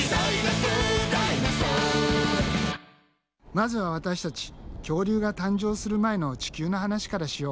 まずは私たち恐竜が誕生する前の地球の話からしよう。